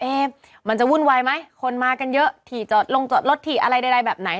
มันจะวุ่นวายไหมคนมากันเยอะถี่จอดลงจอดรถถี่อะไรใดแบบไหน